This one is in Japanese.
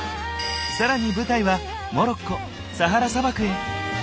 更に舞台はモロッコサハラ砂漠へ。